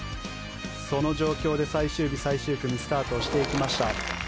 その状況で最終日、最終組スタートしていきました。